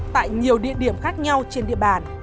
tại nhiều địa điểm khác nhau trên địa bàn